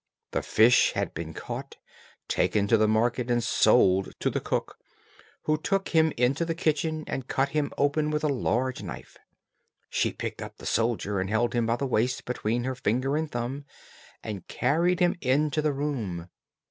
The fish had been caught, taken to the market and sold to the cook, who took him into the kitchen and cut him open with a large knife. She picked up the soldier and held him by the waist between her finger and thumb, and carried him into the room.